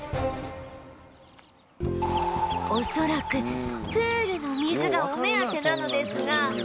恐らくプールの水がお目当てなのですが